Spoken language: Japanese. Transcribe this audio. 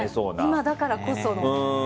今だからこそ。